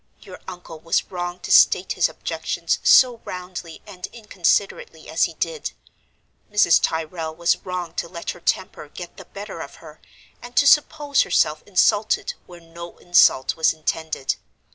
Your uncle was wrong to state his objections so roundly and inconsiderately as he did. Mrs. Tyrrel was wrong to let her temper get the better of her, and to suppose herself insulted where no insult was intended.